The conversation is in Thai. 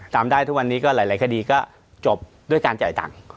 จำได้ทุกวันนี้ก็หลายคดีก็จบด้วยการจ่ายตังค์